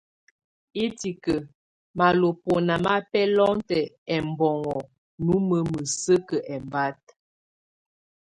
Itǐke malɔbɔna ma bɛlɔnŋɔtɛ ɛmbɔnŋɔ nume məsəkə ɛmbáta.